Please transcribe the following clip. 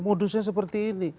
produsnya seperti ini